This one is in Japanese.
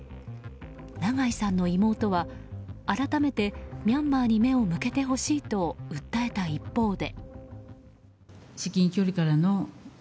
長井さんの妹は改めてミャンマーに目を向けてほしいと訴えた一方で。